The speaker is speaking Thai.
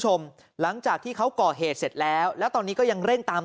ชมหลังจากที่เขาก่อเหตุเสร็จแล้วแล้วตอนนี้ก็ยังเร่งตาม